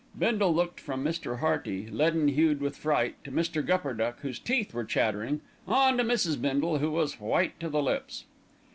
'" Bindle looked from Mr. Hearty, leaden hued with fright, to Mr. Gupperduck, whose teeth were chattering, on to Mrs. Bindle, who was white to the lips.